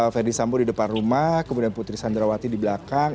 ferdisambo di depan rumah kemudian putri candrawati di belakang